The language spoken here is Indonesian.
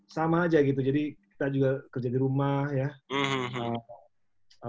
sama aja gitu jadi kita juga kerja di rumah ya